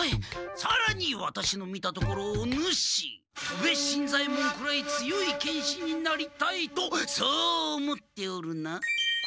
さらにワタシの見たところお主戸部新左ヱ門くらい強い剣士になりたいとそう思っておるな？